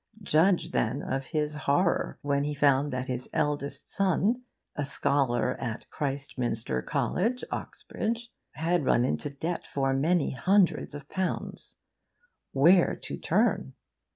Judge, then, of his horror when he found that his eldest son, 'a scholar at Christminster College, Oxbridge,' had run into debt for many hundreds of pounds. Where to turn?